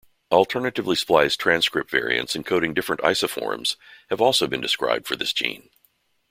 Alternatively spliced transcript variants encoding different isoforms have also been described for this gene.